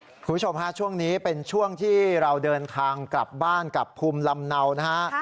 คุณผู้ชมฮะช่วงนี้เป็นช่วงที่เราเดินทางกลับบ้านกับภูมิลำเนานะฮะ